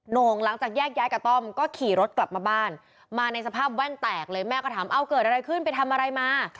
โหน่งหลังจากแยกย้ายกับต้อมก็ขี่รถกลับมาบ้านมาในสภาพแว่นแตกเลยแม่ก็ถามเอาเกิดอะไรขึ้นไปทำอะไรมา